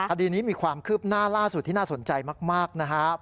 คดีนี้มีความคืบหน้าล่าสุดที่น่าสนใจมากนะครับ